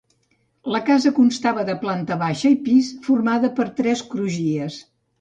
La casa constava de planta baixa i pis, formada per tres crugies.